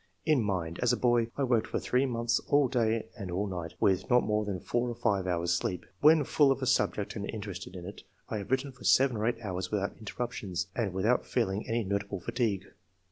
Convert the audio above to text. In mind — As a boy, I worked for three months all day and all night, with not more than four or five hours' sleep. When full of a subject and interested in it, I have written for seven or eight hours without interruption, and without feeling any notable fatigue."